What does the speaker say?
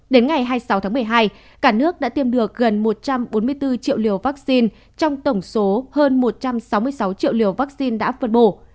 đến ngày hai mươi sáu tháng một mươi hai cả nước đã tiêm được gần một trăm bốn mươi bốn triệu liều vaccine trong tổng số hơn một trăm sáu mươi sáu triệu liều vaccine đã phân bổ